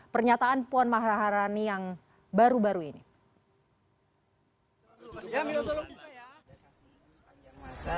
kekecewaan bdip akhir akhir ini semakin dikeluarkan